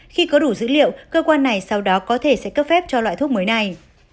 khi có đủ dữ liệu cơ quan này sau đó có thể sẽ cấp phép cho loại thuốc mới này